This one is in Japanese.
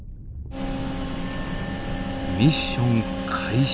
ミッション開始。